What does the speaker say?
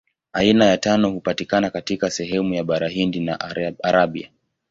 Aina ya tano hupatikana katika sehemu ya Bara Hindi na Arabia.